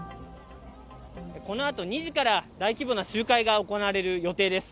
この後、２時から大規模な集会が行われる予定です。